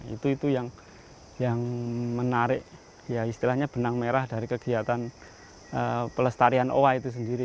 itu itu yang menarik ya istilahnya benang merah dari kegiatan pelestarian owa itu sendiri